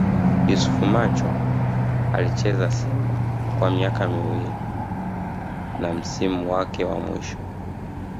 Yusuf Macho Alicheza Simba kwa miaka miwili na msimu wake wa mwisho